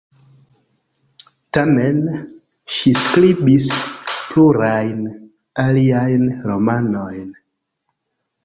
Tamen, ŝi skribis plurajn aliajn romanojn.